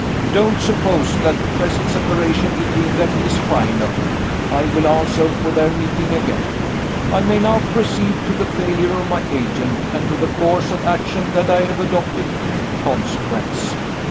Don't suppose that the present separation between them is final; I will answer for their meeting again. I may now proceed to the failure of my agent, and to the course of action that I have adopted in consequence.